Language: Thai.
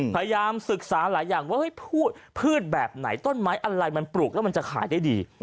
พยายามศึกษาหลายอย่างว่าพืชแบบไหนต้นไม้อะไรมันปลูกแล้วมันจะขายได้ดี